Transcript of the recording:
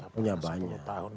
punya banyak sepuluh tahun